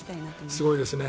すごいですね。